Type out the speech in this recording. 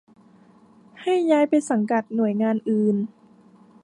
ให้ย้ายไปสังกัดหน่วยงานอื่น